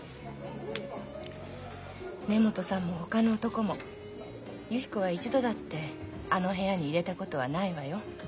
根本さんもほかの男もゆき子は一度だってあの部屋に入れたことはないわよ。